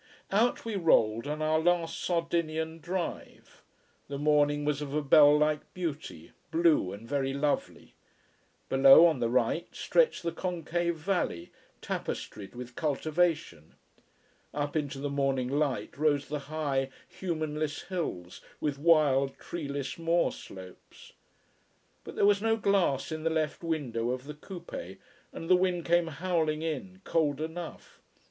Out we rolled, on our last Sardinian drive. The morning was of a bell like beauty, blue and very lovely. Below on the right stretched the concave valley, tapestried with cultivation. Up into the morning light rose the high, humanless hills, with wild, treeless moor slopes. But there was no glass in the left window of the coupé, and the wind came howling in, cold enough.